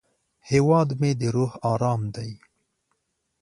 هیواد مې د روح ارام دی